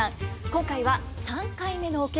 今回は３回目のお稽古